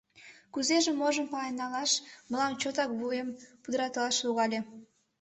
Кузежым-можым пален налаш мылам чотак вуем пудыратылаш логале.